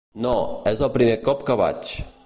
No, és el primer cop que vaig.